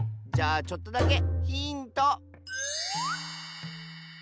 じゃあちょっとだけヒント！